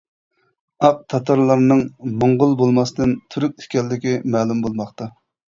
ئاق تاتارلارنىڭ موڭغۇل بولماستىن تۈرك ئىكەنلىكى مەلۇم بولماقتا.